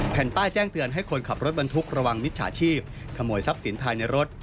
แผ่นป้ายแจ้งเตือนให้คนขับรถบรรทุกระวังมิจฉาชีพขโมยทรัพย์สินภายในรถ